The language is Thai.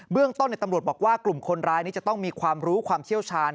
เรื่องต้นตำรวจบอกว่ากลุ่มคนร้ายนี้จะต้องมีความรู้ความเชี่ยวชาญ